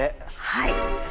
はい。